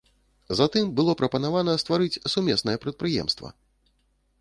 Затым было прапанавана стварыць сумеснае прадпрыемства.